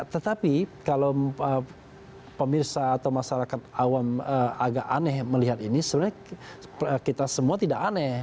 tetapi kalau pemirsa atau masyarakat awam agak aneh melihat ini sebenarnya kita semua tidak aneh